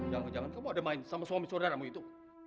jangan jangan kamu ada main sama suami saudaramu itu